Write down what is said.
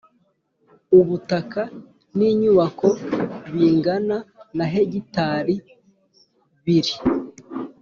Ubutaka n inyubako bingana na hegitari biri